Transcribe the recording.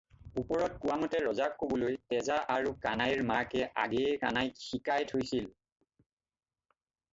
ওপৰত কোৱামতে ৰজাক ক'বলৈ তেজা আৰু কানাইৰ মাকে আগেয়ে কানাইক শিকাই থৈছিল।